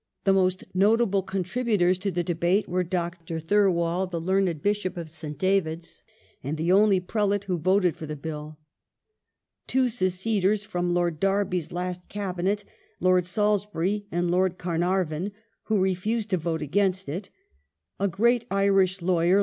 The most notable contributors to the debate were Dr. Thirwall, the learned Bishop of St. David's, and the only prelate who voted for the Bill ; two seceders from Lord Derby's last Cabinet — Lord Salisbury and Lord Carnarvon, who refused to vote against it ; a great Irish lawyer.